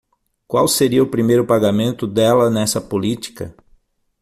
Qual seria o primeiro pagamento dela nessa política?